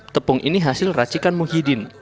tepung ini hasil racikan muhyiddin